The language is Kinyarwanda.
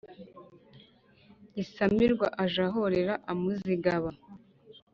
gisamirwa aje ahorera umuzigaba,